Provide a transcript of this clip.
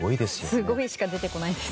すごいしか出てこないです。